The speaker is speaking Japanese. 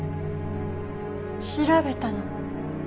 調べたの。